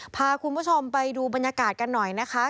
พาคุณผู้ชมไปดูบรรยากาศกันหน่อยนะคะ